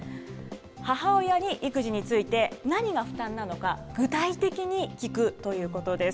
母親に育児について何が負担なのか具体的に聞くということです。